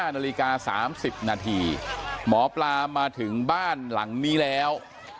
นาฬิกา๓๐นาทีหมอปลามาถึงบ้านหลังนี้แล้ว